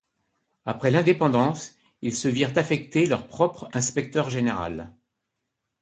Après l'indépendance, ils se virent affecté leur propre inspecteur général.